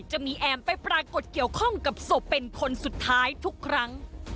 จะมีแอมไปปรากฏเกี่ยวข้องกับศพเป็นคนสุดท้ายทุกครั้ง